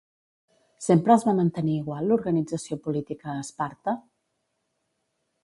Sempre es va mantenir igual l'organització política a Esparta?